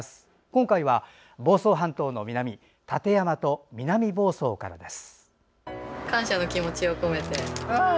今回は房総半島の南館山と南房総からです。